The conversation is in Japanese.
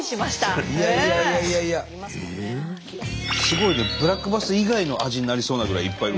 すごいねブラックバス以外の味になりそうなぐらいいっぱい。